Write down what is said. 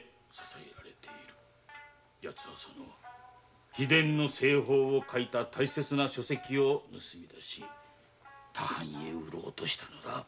やつはその秘伝の製法を書いた大切な書籍を盗み出し他藩へ売ろうとしたのだ。